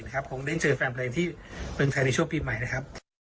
คงได้เจอแฟนเพลงที่เมืองไทยในช่วงปีใหม่นะครับ